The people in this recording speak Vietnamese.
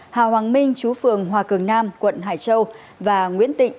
hà hoàng minh chú phường hòa cường nam quận hải châu và nguyễn tịnh